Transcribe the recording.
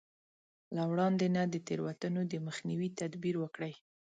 له وړاندې نه د تېروتنو د مخنيوي تدبير وکړي.